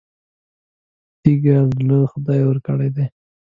تېږه زړه خدای ورکړی دی.